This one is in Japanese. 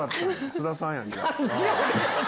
津田さんやん。